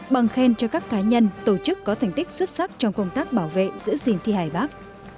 bằng khen cho các cá nhân tổ chức có thành tích xuất sắc trong công tác bảo vệ giữ gìn thi hài bắc